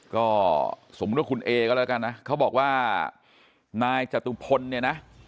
ก็สมมุติว่าคุณเอก็แล้วกันนะเขาบอกว่านายจตุพลเนี่ยนะ